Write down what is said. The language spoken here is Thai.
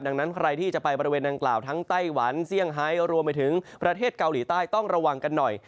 ดังนั้นใครที่จะไปบริเวณนางกล่าวทั้งไต้หวันเซี่ยงไฮรวมไปถึงประเทศเกาหลีใต้ต้องระวังกันหน่อย